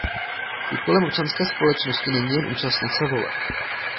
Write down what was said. Úkolem občanské společnosti není jen účastnit se voleb.